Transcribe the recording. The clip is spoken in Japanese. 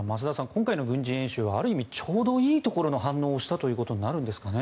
今回の軍事演習はある意味、ちょうどいいところの反応をしたということになるんですかね。